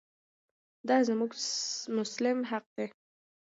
دا زموږ مسلم حق دی.